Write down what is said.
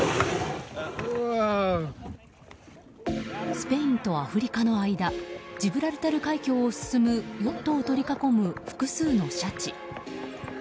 スペインとアフリカの間ジブラルタル海峡を進むヨットを取り囲む複数のシャチ。